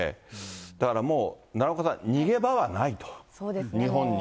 だからもう奈良岡さん、逃げ場はないと、日本に。